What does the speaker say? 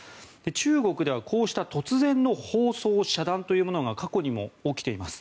中国ではこうした突然の放送遮断というものが過去にも起きています。